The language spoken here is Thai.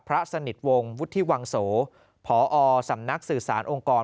พระสนิทวงศ์วุฒิวังโสพอสำนักสื่อสารองค์กร